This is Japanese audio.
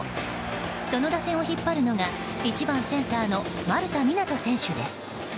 その打線を引っ張るのが１番センターの丸田湊斗選手です。